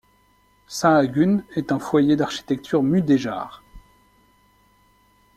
Sahagun est un foyer d'architecture mudéjare.